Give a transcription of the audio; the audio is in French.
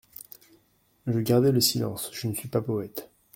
Je gardai le silence : je ne suis pas poète.